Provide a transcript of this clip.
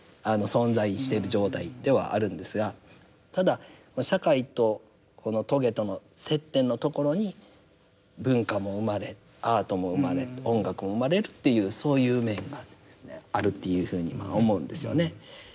ただ社会とこの棘との接点のところに文化も生まれアートも生まれ音楽も生まれるっていうそういう面があるというふうに思うんですよね。